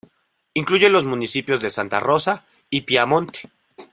Incluye los municipios de Santa Rosa y Piamonte.